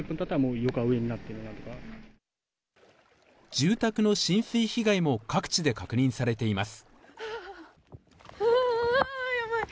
住宅の浸水被害も各地で確認されています。